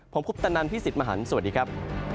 ผมคุปตะนันพี่สิทธิ์มหันฯสวัสดีครับ